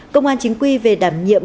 công an chính quy về đảm nhiệm